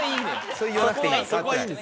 それ言わなくていいんです。